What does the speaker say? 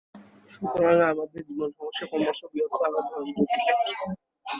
সুতরাং আমাদের জীবনসমস্যা ক্রমশ বৃহত্তর আকার ধারণ করিতেছে।